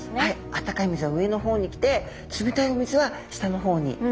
あったかい水は上の方に来て冷たいお水は下の方にですね。